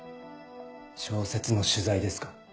小説の取材ですか？